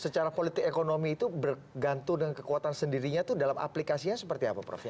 secara politik ekonomi itu bergantung dengan kekuatan sendirinya itu dalam aplikasinya seperti apa prof ya